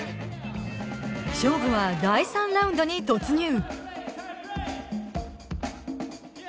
勝負は第３ラウンドに突入。